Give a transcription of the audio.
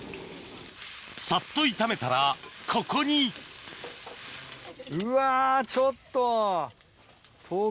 サッと炒めたらここにうわちょっと！